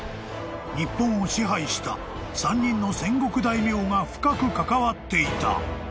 日本を支配した３人の戦国大名が深く関わっていた］